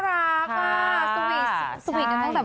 อีกสักปีถึงครับ